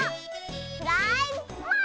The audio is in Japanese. フライパーン！